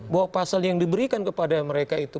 bahwa pasal yang diberikan kepada mereka itu